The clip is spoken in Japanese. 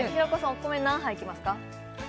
お米何杯いけますか？